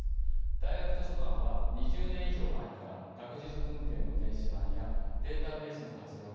大学図書館は２０年以上前から学術文献の電子版やデータベースの活用が進んでいました。